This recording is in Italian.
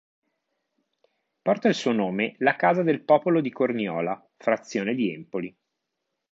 Porta il suo nome la casa del popolo di Corniola, frazione di Empoli.